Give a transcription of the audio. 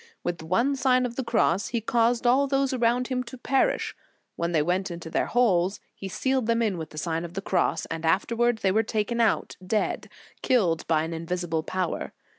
With one Sign of the Cross he caused all those around him to perish. When they went into their holes, he sealed them in with the Sign of the Cross, and afterwards they were taken out dead, killed by an invisible power.